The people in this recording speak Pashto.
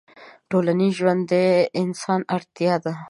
ټولنيز ژوند د انسان اړتيا ده